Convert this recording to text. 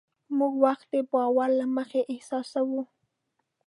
موږ وخت د باور له مخې احساسوو.